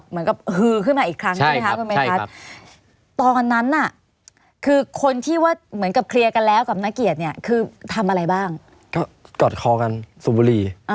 หาตัวแล้วโถมเข้าใส่